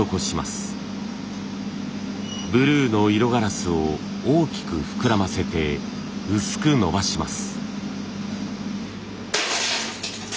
ブルーの色ガラスを大きく膨らませて薄くのばします。